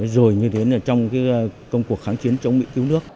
rồi như thế trong công cuộc kháng chiến chống mỹ cứu nước